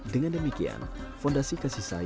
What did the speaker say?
dengan demikian fondasi kasih sampai tuhan